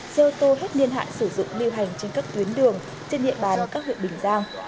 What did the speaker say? xe ô tô hết niên hạn sử dụng lưu hành trên các tuyến đường trên địa bàn các huyện bình giang